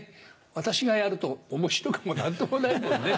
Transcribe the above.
私がやると面白くも何ともないもんね。